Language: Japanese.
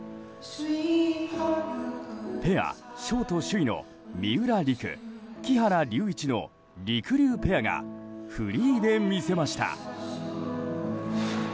ペアショート首位の三浦璃来、木原龍一のりくりゅうペアがフリーで見せました。